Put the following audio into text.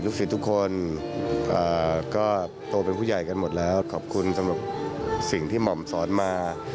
ศิษย์ทุกคนก็โตเป็นผู้ใหญ่กันหมดแล้วขอบคุณสำหรับสิ่งที่หม่อมสอนมา